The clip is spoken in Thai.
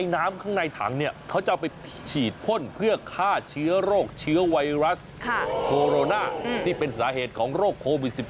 น้ำข้างในถังเขาจะเอาไปฉีดพ่นเพื่อฆ่าเชื้อโรคเชื้อไวรัสโคโรนาที่เป็นสาเหตุของโรคโควิด๑๙